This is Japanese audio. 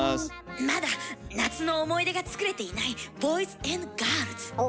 まだ夏の思い出が作れていないボーイズ＆ガールズ。